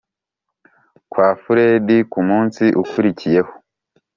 kwa furedi kumunsi ukurikiyeho.